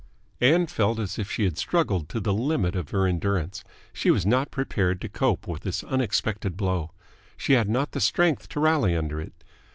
Ann felt as if she had struggled to the limit of her endurance. She was not prepared to cope with this unexpected blow. She had not the strength to rally under it.